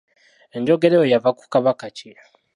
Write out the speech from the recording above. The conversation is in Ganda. Enjogera eyo yava ku Kabaka ki?